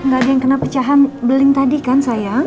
gak ada yang kena pecahan beling tadi kan sayang